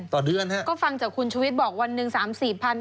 ต่อเดือนฮะก็ฟังจากคุณชุวิตบอกวันหนึ่ง๓๔พัน